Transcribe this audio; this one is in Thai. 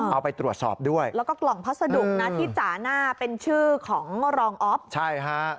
เอาไปตรวจสอบด้วยแล้วก็กล่องพัสดุนะที่จ่าหน้าเป็นชื่อของรองอ๊อฟใช่ฮะ